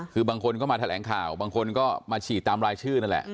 คือบางคนก็มาแถลงข่าวบางคนก็มาฉีดตามรายชื่อนั่นแหละ